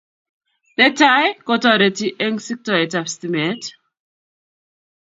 Netai, kotoriti eng siktoet ab stimet